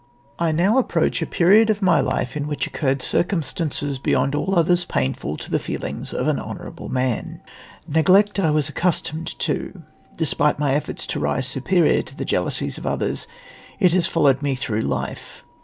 I NOW approach a period of my life in which occurred circumstances beyond all others painful to the feelings of an honourable man. Neglect I was accustomed to. Despite my efforts to rise superior to the jealousies of others, it has followed me through life.